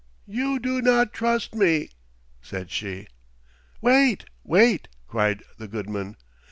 "You do not trust me," said she. "Wait, wait!" cried the Goodman.